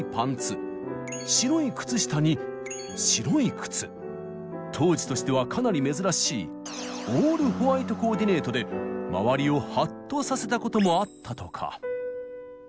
時には当時としてはかなり珍しい「オールホワイトコーディネート」で周りをはっとさせたこともあったとか。